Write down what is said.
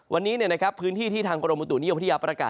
วันนี้พื้นที่ที่ทางกรมบุตุนิยมพัทยาประกาศ